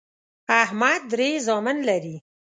احمد درې زامن لري